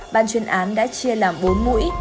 ban chuyên án đã chia làm bốn mũi